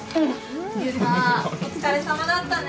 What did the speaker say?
悠太お疲れさまだったね。